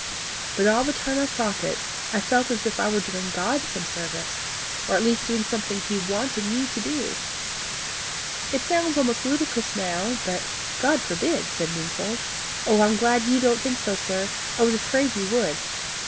But all the time I sought it, I felt as if I were doing God service or at least doing something he wanted me to do. It sounds almost ludicrous now, but " "God forbid!" said Wingfold. "I'm glad you don't think so, sir. I was afraid you would."